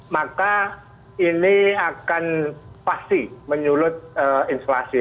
maka ini akan pasti menyulut inflasi